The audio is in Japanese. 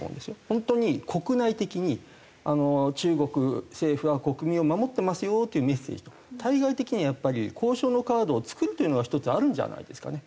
本当に国内的に中国政府は国民を守ってますよというメッセージと対外的にはやっぱり交渉のカードを作るというのが１つあるんじゃないですかね。